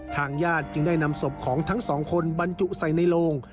ทางญาติจึงได้นำศพของทั้งสองคนบรรจุใส่ในโลง